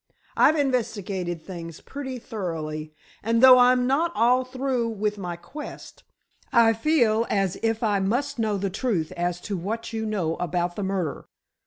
I've investigated things pretty thoroughly, and, though I'm not all through with my quest, I feel as if I must know the truth as to what you know about the murder."